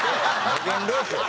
無限ループやん。